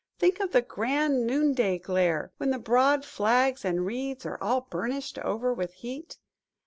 Think of the grand noonday glare, when the broad flags and reeds are all burnished over with heat.